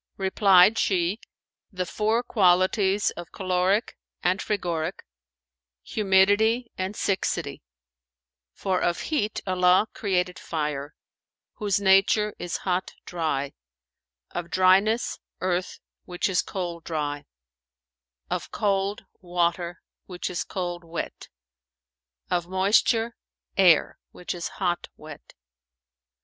Replied she, "The four qualities of Caloric and Frigoric, Humidity and Siccity; for of heat Allah created fire, whose nature is hot dry; of dryness, earth, which is cold dry; of cold, water which is cold wet; of moisture, air, which is hot wet.